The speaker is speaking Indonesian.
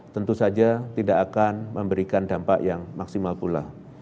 tentu saja tidak akan memberikan dampak yang maksimalnya